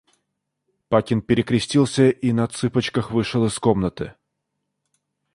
Пакин перекрестился и на цыпочках вышел из комнаты.